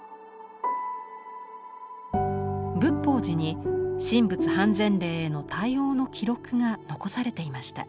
仏法寺に神仏判然令への対応の記録が残されていました。